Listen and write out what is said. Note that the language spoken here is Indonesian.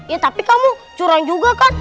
ya tapi kamu curang juga kan